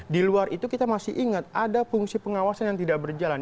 di luar itu kita masih ingat ada fungsi pengawasan yang tidak berjalan